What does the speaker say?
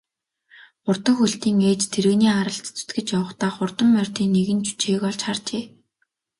Хурдан хөлтийн ээж тэрэгний аралд зүтгэж явахдаа хурдан морьдын нэгэн жүчээг олж харжээ.